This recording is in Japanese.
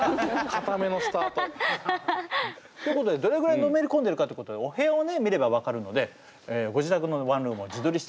かためのスタート。ということでどれぐらいのめりこんでるかってことでお部屋をね見れば分かるのでご自宅のワンルームを自撮りしてきていただきました。